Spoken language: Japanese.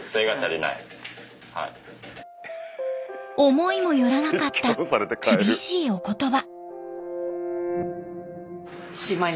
思いもよらなかった厳しいお言葉。